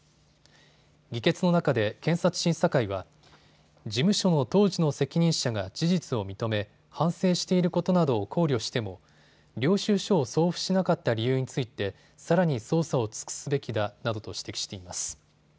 議決の中で検察審査会は事務所の当時の責任者が事実を認め反省していることなどを考慮しても領収書を送付しなかった理由について、さらに捜査を尽くすべきだなどと指摘しています。